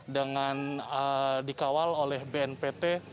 dengan dikawal oleh bnpt